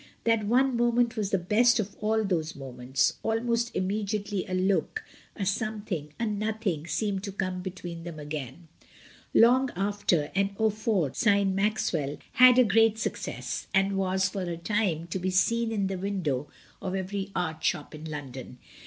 That one moment was the best of all those moments; al most immediately a look, a something, a nothing, seemed to come between them again. Long after, an eauforte^ signed Maxwell, had a hfrs. Dymond, 11. 9 130 MRS. DYMOND. great success, and was for a time to be seen in the window of every art shop in London.